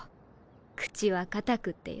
口は堅くってよ